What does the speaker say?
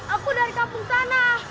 aku dari kampung sana